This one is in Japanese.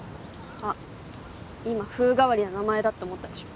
あっ今風変わりな名前だって思ったでしょ